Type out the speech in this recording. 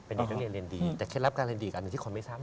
เป็นเด็กอย่างเรียนเรียนดีแต่เคล็ดรับการเรียนดีกับอย่างที่คนไม่ทราบ